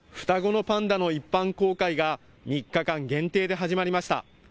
双子のパンダの一般公開が３日間限定で始まりました。